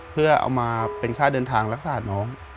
เพื่อเอามาเป็นค่าเดินทางรักษาน้อง